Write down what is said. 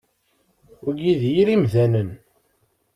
Wigi d yir imdanen.